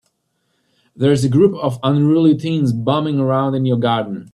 There's a group of unruly teens bumming around in your garden.